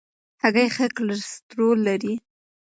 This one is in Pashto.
هګۍ ښه کلسترول زیات لري.